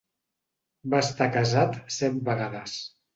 Va estar casat set vegades.